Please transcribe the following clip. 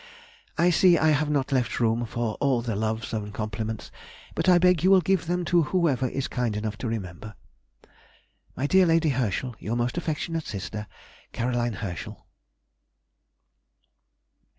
I see I have not left room for all the loves and compliments, but I beg you will give them to whoever is kind enough to remember, My dear Lady Herschel, Your most affectionate Sister, C. HERSCHEL.